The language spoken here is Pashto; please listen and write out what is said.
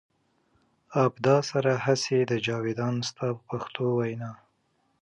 ابدا سره هستي ده جاویدان ستا په پښتو وینا.